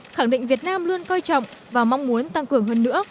khẳng định việt nam luôn coi trọng và mong muốn tăng cường hơn nữa